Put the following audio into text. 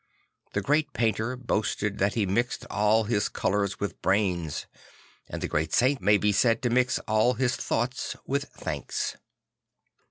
The great painter boasted that he mixed all his colours with brains, and the great saint may be said to mix all his thoughts with thanks.